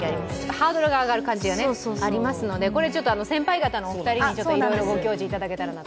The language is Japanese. ハードルが上がる感じがありますので、これ、先輩方のお二人にご教示いただけると。